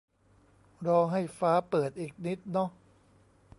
รอให้ฟ้าเปิดอีกนิดเนาะ